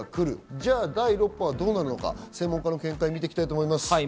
じゃあ第６波はどうなるのか、専門家の見解をみていきましょう。